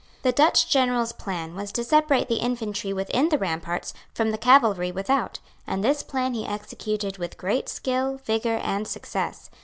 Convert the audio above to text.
The Dutch General's plan was to separate the infantry within the ramparts from the cavalry without; and this plan he executed with great skill, vigour and success.